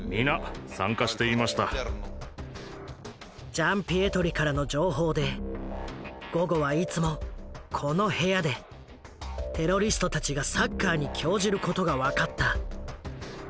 ジャンピエトリからの情報で午後はいつもこの部屋でテロリストたちがサッカーに興じることが分かった。